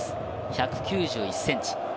１９１ｃｍ。